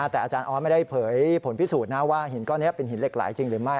แต่อาจารย์ออสไม่ได้เผยผลพิสูจน์นะว่าหินก้อนนี้เป็นหินเหล็กไหลจริงหรือไม่